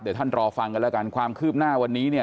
เดี๋ยวท่านรอฟังกันแล้วกันความคืบหน้าวันนี้เนี่ย